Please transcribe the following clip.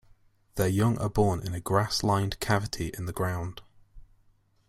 Their young are born in a grass-lined cavity in the ground.